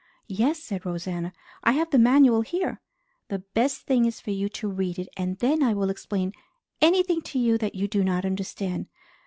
"Yes," said Rosanna. "I have the manual here." "The best thing is for you to read it and then I will explain anything to you that you do not understand.